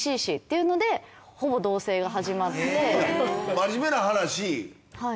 真面目な話。